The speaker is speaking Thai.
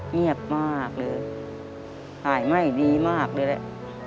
เงียบมากเลยถ่ายไม่ดีมากเลยแหละ